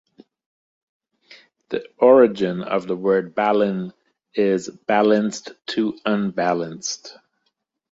The origin of the word balun is "balanced to unbalanced".